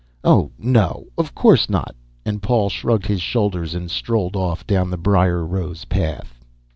"Oh, no; of course not." And Paul shrugged his shoulders and strolled off down the briar rose path.